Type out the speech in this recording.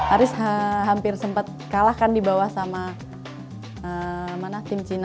ari hampir sempet kalahkan di bawah sama mana tim cina